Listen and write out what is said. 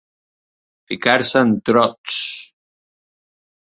Ficar-se en trots.